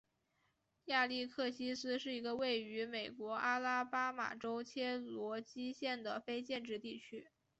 亚历克西斯是一个位于美国阿拉巴马州切罗基县的非建制地区。